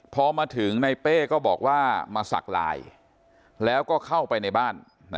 พอมาถึงในเป้ก็บอกว่ามาสักลายแล้วก็เข้าไปในบ้าน